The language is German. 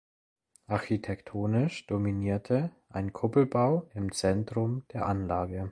Architektonisch dominierte ein Kuppelbau im Zentrum der Anlage.